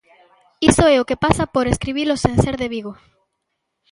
Iso é o que pasa por escribilo sen ser de Vigo.